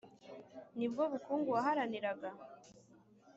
Ni bwo bukungu waharaniraga?